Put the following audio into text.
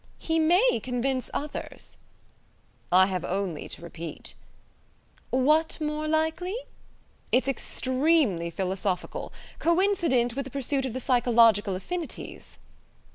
"He may convince others." "I have only to repeat. .." "'What more likely?' It's extremely philosophical. Coincident with a pursuit of the psychological affinities."